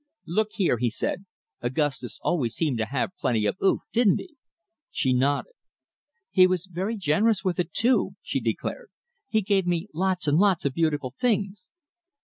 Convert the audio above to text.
"Look here," he said, "Augustus always seemed to have plenty of oof, didn't he?" She nodded. "He was very generous with it, too," she declared. "He gave me lots and lots of beautiful things."